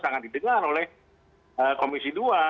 sangat didengar oleh komisi dua